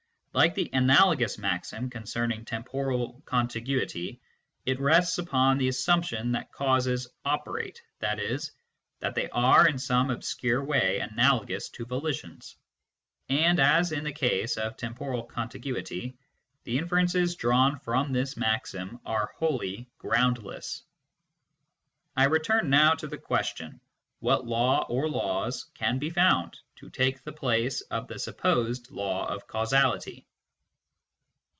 Like the analogous maxim concerning tem poral contiguity, it rests upon the assumption that causes " operate," i.e. that they are in some obscure way analogous to volitions. And, as in the case of temporal contiguity, the inferences drawn from this maxim are wholly groundless. I return now to the question, What law or laws can be found to take the place of the supposed law of causality